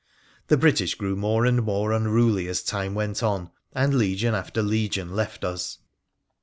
The British grew more and more unruly as time went on, and legion after legion left us.